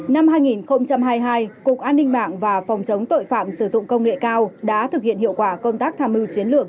năm hai nghìn hai mươi hai cục an ninh mạng và phòng chống tội phạm sử dụng công nghệ cao đã thực hiện hiệu quả công tác tham mưu chiến lược